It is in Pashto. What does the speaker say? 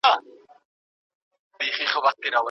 هیڅوک باید تېروتنه تکرار نه کړي.